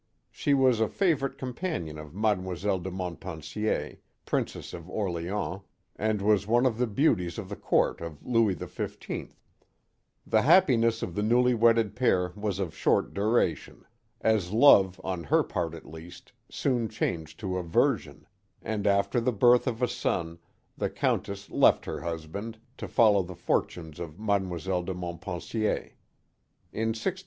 She was a favorite com panion of Mademoiselle de Montpensier, Princess of Orleans, and was one of the beauties of the Court of Louis XV. The happiness of the newly wedded pair was of short duration, as love, on her part at least, soon changed to aversion, and after the birth of a son, the countess left her husband, to follow the fortunes of Mademoiselle de Montpensier.